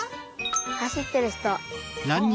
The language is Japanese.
はしってるひと。